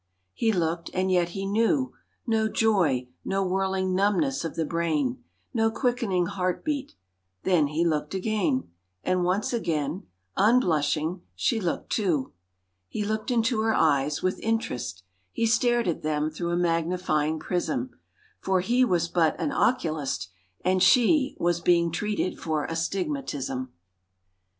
He looked and yet he knew No joy, no whirling numbness of the brain, No quickening heart beat. Then he looked again, And once again, unblushing, she looked too. He looked into her eyes—with interest he Stared at them through a magnifying prism. For he was but an oculist, and she Was being treated for astigmatism.